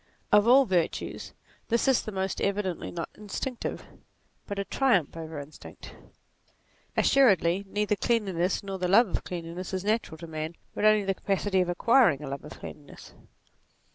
Of all virtues this is the most evidently not instinctive, but a triumph over instinct. Assuredly neither cleanliness nor the love of cleanliness is natural to man, but only the capacity of acquiring a love of cleanliness.